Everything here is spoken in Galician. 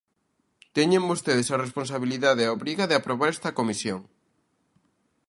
Teñen vostedes a responsabilidade e a obriga de aprobar esta comisión.